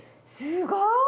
すごい！